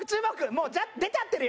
もう出ちゃってるよ！